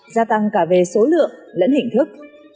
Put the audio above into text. gia tăng cả về số lượng lẫn hình thức